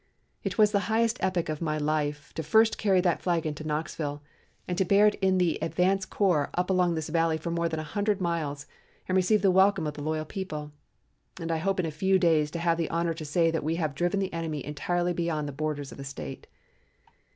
It was the happiest epoch of my life to first carry that flag into Knoxville, and to bear it in the advance along up this valley for more than a hundred miles, and receive the welcome of the loyal people. And I hope in a few days to have the honor to say that we have driven the enemy entirely beyond the borders of the State.